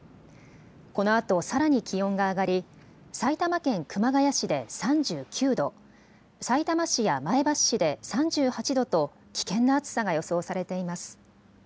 このあと、さらに気温が上がり埼玉県熊谷市で３９度、さいたま市や前橋市で３８度と危険な暑さが予想されています。